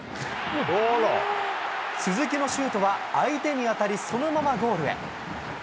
鈴木のシュートは相手に当たり、そのままゴールへ。